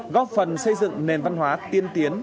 góp phần xây dựng nền văn hóa tiên tiến